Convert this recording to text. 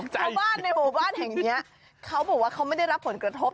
ชาวบ้านในหมู่บ้านแห่งนี้เขาบอกว่าเขาไม่ได้รับผลกระทบ